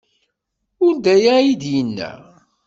Ur d aya ay d-nenna.